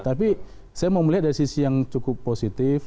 tapi saya mau melihat dari sisi yang cukup positif